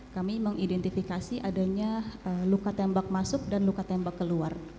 kami mengidentifikasi adanya luka tembak masuk dan luka tembak keluar